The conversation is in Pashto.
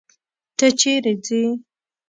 ته چيري ځې.